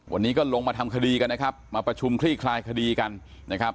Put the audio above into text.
วันนี้ก็ลงมาทำคดีกันนะครับมาประชุมคลี่คลายคดีกันนะครับ